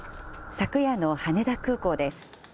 昨夜の羽田空港です。